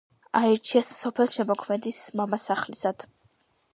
აირჩიეს სოფელ შემოქმედის მამასახლისად.